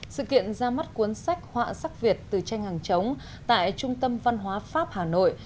sự kiện ra mắt cuốn sách họa sắc việt từ tranh hàng chống tại trung tâm văn hóa pháp hà nội